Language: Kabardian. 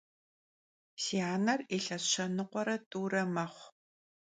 Si aner yilhes şenıkhuere t'ure mexhu.